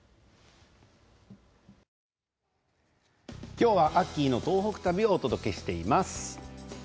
今日はアッキーの東北旅をお届けしています。